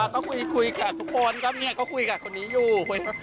ก็คุยกับทุกคนก็คุยกับคนนี้อยู่